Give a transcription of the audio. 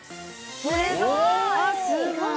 すごい！